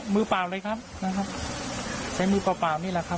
เปล่าเลยครับนะครับใช้มือเปล่าเปล่านี่แหละครับ